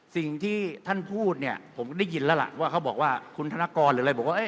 สิ่งที่ท่านพูดเนี่ยผมได้ยินแล้วล่ะว่าเขาบอกว่าคุณธนกรหรืออะไรบอกว่า